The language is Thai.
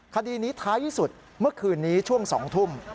คดีนี้ท้ายที่สุดเมื่อคืนนี้ช่วง๒ทุ่ม